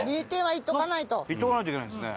行っておかないといけないですね。